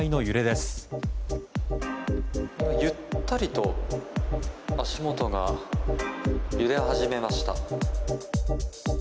今、ゆったりと足元が揺れ始めました。